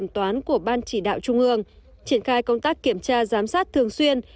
toán của ban chỉ đạo trung ương triển khai công tác kiểm tra giám sát thường xuyên